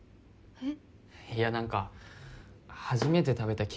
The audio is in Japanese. えっ？